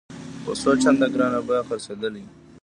په څو چنده ګرانه بیه خرڅېدلې.